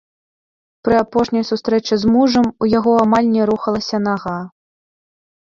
Пры апошняй сустрэчы з мужам у яго амаль не рухалася нага.